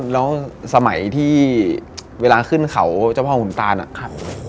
แล้วสมัยที่เวลาขึ้นเขาเจ้าพ่อหุ่นตาลอะ